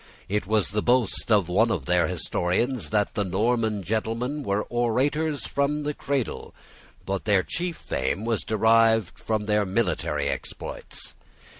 It was the boast of one of their historians that the Norman gentlemen were orators from the cradle. But their chief fame was derived from their military exploits.